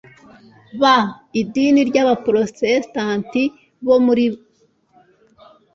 b idini ry abaporotesitanti bo muri